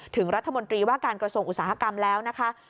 ถึงรัฐมนตรีว่าการกระทรวงอุตสาหกรรมแล้วนะคะ